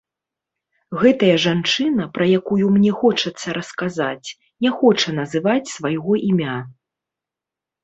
Гэтая жанчына, пра якую мне хочацца расказаць, не хоча называць свайго імя.